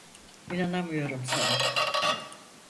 İnanamıyorum sana.